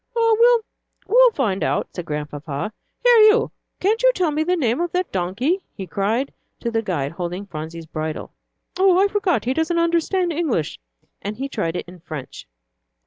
"Oh, well, we'll find out," said Grandpapa. "Here you, can't you tell the name of that donkey?" he cried to the guide holding Phronsie's bridle. "Oh, I forgot, he doesn't understand English," and he tried it in French.